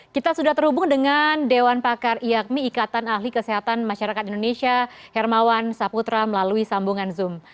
kita sudah terhubung dengan dewan pakar iakmi ikatan ahli kesehatan masyarakat indonesia hermawan saputra melalui sambungan zoom